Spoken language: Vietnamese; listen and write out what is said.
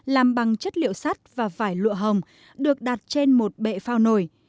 làm bằng chất liệu sắt và vải lụa hồng được đặt trên một bệ phao nổi